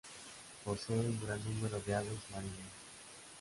Posee un gran número de aves marinas.